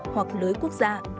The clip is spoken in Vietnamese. hoặc lưới quốc gia